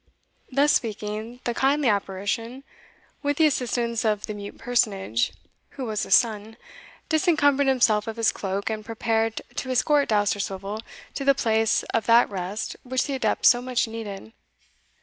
Thus speaking, the kindly apparition, with the assistance of the mute personage, who was his son, disencumbered himself of his cloak, and prepared to escort Dousterswivel to the place of that rest which the adept so much needed.